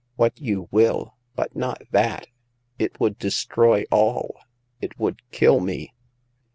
What you will, but not that ; it would destroy all ; it would kill me